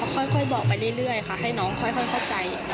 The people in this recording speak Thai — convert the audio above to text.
ค่อยบอกไปเรื่อยค่ะให้น้องค่อยเข้าใจ